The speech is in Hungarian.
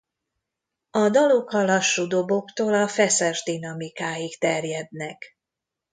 A dalok a lassú doboktól a feszes dinamikáig terjednek.